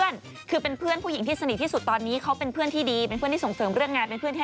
อยู่ในฐานะเพื่อน